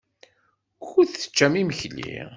Wukud teččamt imekli?